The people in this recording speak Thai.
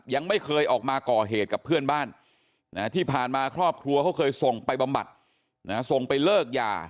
ยังไม่เคยออกมาก่อเหตุกับเพื่อนบ้านที่ผ่านมาครอบครัวเขาเคยส่งไปบำบัดส่งไปเลิกยา